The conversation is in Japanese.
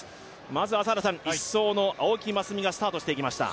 まず、１走の青木益未がスタートしてきました。